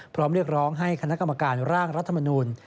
เรียกร้องให้คณะกรรมการร่างรัฐมนูล